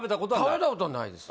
食べたことはないです